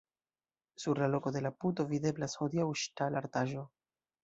Sur la loko de la puto videblas hodiaŭ ŝtala artaĵo.